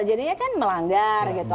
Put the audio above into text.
jadinya kan melanggar gitu